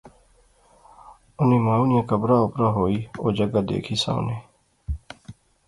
انی مائو نیاں قبرا اپرا ہوئی او جگہ دیکھی ساونے